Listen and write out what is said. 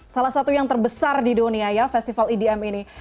salah satu yang terbesar di dunia ya festival edm ini